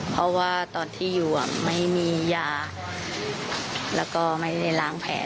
เพราะว่าตอนที่อยู่ไม่มียาแล้วก็ไม่ได้ล้างแผล